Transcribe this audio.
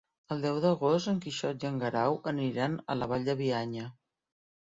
El deu d'agost en Quixot i en Guerau aniran a la Vall de Bianya.